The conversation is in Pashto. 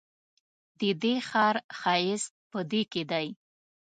ددې ښار ښایست په دې کې دی.